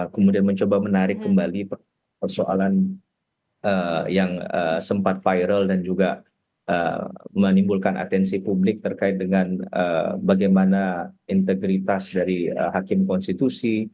kemudian mencoba menarik kembali persoalan yang sempat viral dan juga menimbulkan atensi publik terkait dengan bagaimana integritas dari hakim konstitusi